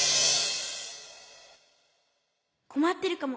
こまってるかも。